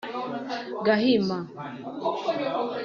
Gahima